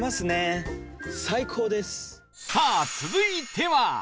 さあ続いては